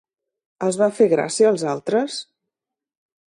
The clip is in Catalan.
Els va fer gràcia als altres?